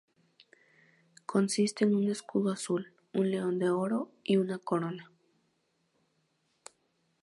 Consiste en un escudo azul, un león de oro y una corona.